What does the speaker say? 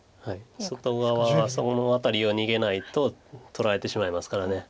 外側はその辺りを逃げないと取られてしまいますから。